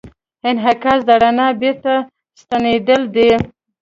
انعکاس د رڼا بېرته ستنېدل دي.